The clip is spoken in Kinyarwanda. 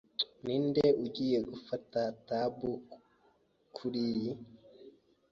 Ninde ugiye gufata tab kuriyi?